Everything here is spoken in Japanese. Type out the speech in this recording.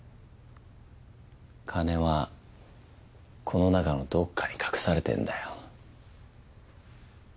金はこの中のどっかに隠されてんだよ。